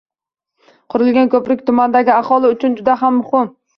Qurilgan ko'prik tumandagi aholi uchun juda ham muhim